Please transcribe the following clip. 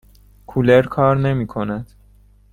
کولر کار نمی کند.